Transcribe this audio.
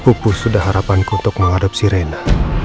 pupu sudah harapanku untuk mengadopsi reina